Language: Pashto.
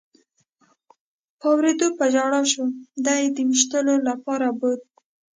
په اورېدو په ژړا شو، دی یې د وېشتلو لپاره بوت.